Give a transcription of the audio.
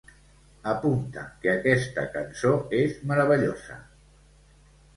Apunta que aquesta cançó és meravellosa.